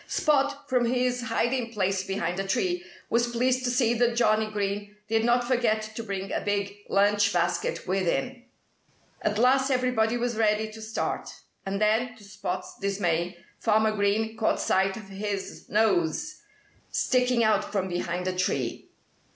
Spot, from his hiding place behind a tree, was pleased to see that Johnnie Green did not forget to bring a big lunch basket with him. At last everybody was ready to start. And then, to Spot's dismay, Farmer Green caught sight of his nose, sticking out from behind a tree.